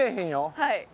はい。